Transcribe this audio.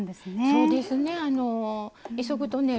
そうですね。